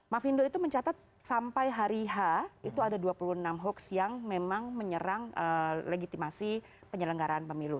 mafindo itu mencatat sampai hari h itu ada dua puluh enam hoax yang memang menyerang legitimasi penyelenggaraan pemilu